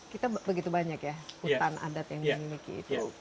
kita begitu banyak ya hutan adat yang dimiliki itu